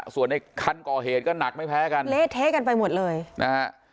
ส่วนในคันก่อเหตุก็หนักไม่แพ้กันเละเทะกันไปหมดเลยนะฮะ